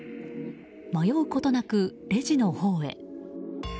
迷うことなくレジのほうへ。